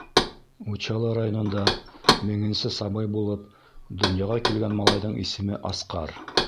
Учалы районында меңенсе сабый булып донъяға килгән малайҙың исеме — Асҡар.